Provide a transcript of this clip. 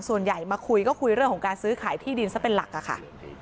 ส่วนใหญ่มาคุยก็คุยเรื่องของการซื้อขายที่ดินซะเป็นหลักค่ะ